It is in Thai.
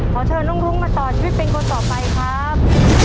ขอเชิญน้องรุ้งมาต่อชีวิตเป็นคนต่อไปครับ